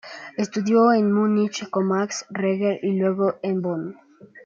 Estudió en Múnich con Max Reger y luego en Bonn.